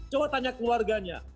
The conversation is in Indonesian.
coba tanya keluarganya